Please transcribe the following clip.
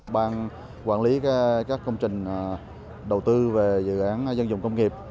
ban quản lý các công trình đầu tư về dự án dân dùng công nghiệp